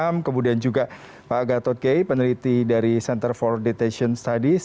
kemudian ham kemudian juga pak gatot gey peneliti dari center for detention studies